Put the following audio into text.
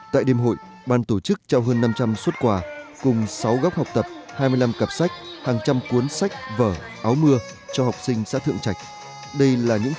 tại đêm hội ban tổ chức trao hơn năm trăm linh xuất quà cùng sáu góc học tập hai mươi năm cặp sách hàng trăm cuốn sách vở áo mưa cho học sinh xã thượng trạch